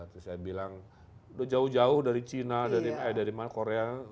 terus saya bilang udah jauh jauh dari cina dari mana korea